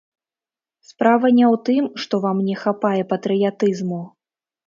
Справа не ў тым, што вам не хапае патрыятызму.